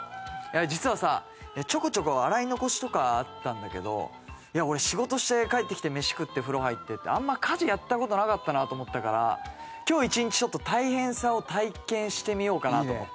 実はさちょこちょこ洗い残しとかあったんだけど俺仕事して帰ってきて飯食って風呂入ってってあんま家事やった事なかったなと思ったから今日一日ちょっと大変さを体験してみようかなと思って。